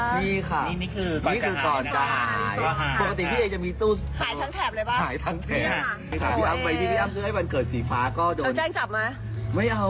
มีความช็อคกับมีความช็อคมากกว่านะคะ